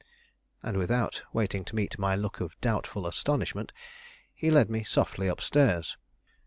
And without waiting to meet my look of doubtful astonishment, he led me softly up stairs.